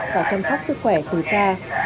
và chăm sóc sức khỏe từ xa